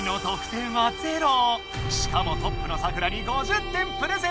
しかもトップのサクラに５０点プレゼント。